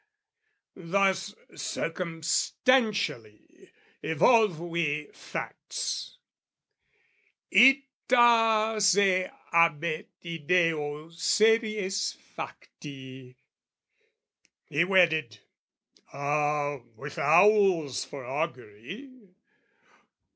Thus circumstantially evolve we facts, Ita se habet ideo series facti: He wedded, ah, with owls for augury!